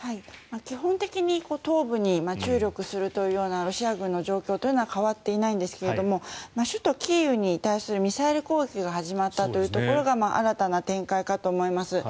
基本的に東部に注力するというようなロシア軍の状況は変わっていないんですけれども首都キーウに対するミサイル攻撃が始まったというところが新たな展開かと思います。